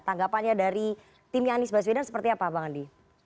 tanggapannya dari timnya andi sbaswedan seperti apa bang andi